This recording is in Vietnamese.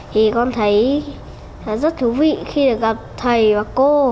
thì con thấy rất thú vị khi được gặp thầy và cô